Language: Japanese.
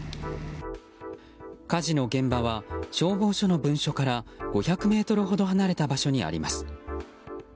火事の現場は消防署の分署から５００ｍほど離れた場所にあります。